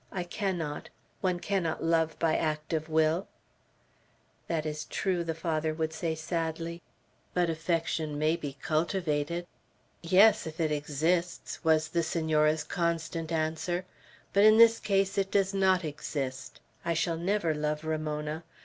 I cannot. One cannot love by act of will." "That is true," the Father would say sadly; "but affection may be cultivated." "Yes, if it exists," was the Senora's constant answer. "But in this case it does not exist. I shall never love Ramona.